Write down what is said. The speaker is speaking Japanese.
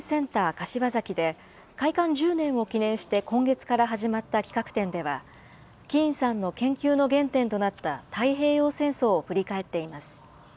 柏崎で、開館１０年を記念して今月から始まった企画展では、キーンさんの研究の原点となった太平洋戦争を振り返っています。